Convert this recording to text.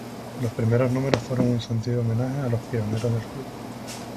Los primeros números fueron un sentido homenaje a los pioneros del club.